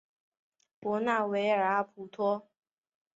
博纳维尔阿普托。